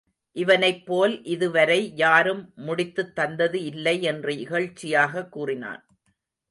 இவனைப்போல் இதுவரை யாரும் முடித்துத் தந்தது இல்லை என்று இகழ்ச்சியாகக் கூறினான்.